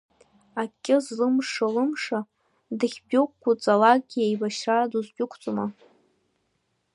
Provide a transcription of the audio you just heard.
Акгьы злымшо Лымша, дахьдәықәуҵалакгьы, еибашьра дуздәықәҵома?